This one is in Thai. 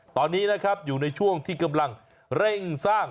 ตอนนี้นะครับอยู่ในช่วงที่กำลังเร่งสร้าง